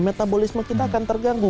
metabolisme kita akan terganggu